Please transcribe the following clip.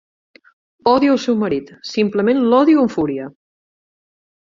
Odio el seu marit; simplement l'odio amb fúria.